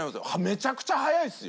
めちゃくちゃ早いですよ。